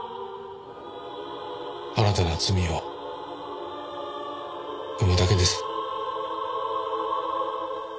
新たな罪を生むだけです。